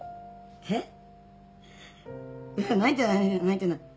えっ？いや泣いてない泣いてない。